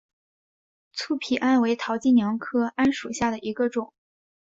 粗皮桉为桃金娘科桉属下的一个种。